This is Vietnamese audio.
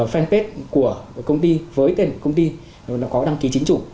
fanpage của công ty với tên của công ty có đăng ký chính chủ